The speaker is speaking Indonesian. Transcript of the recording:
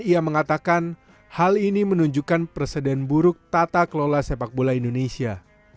ia mengatakan hal ini menunjukkan presiden buruk tata kelola sepak bola indonesia